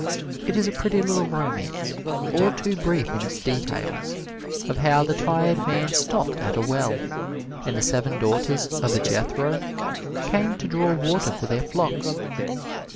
It is a pretty little romance, all too brief in its details, of how the tired man stopped at a well, and the seven daughters of Jethro came to draw water for their flocks.